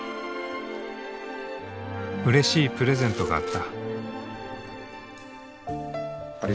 うれしいプレゼントがあった。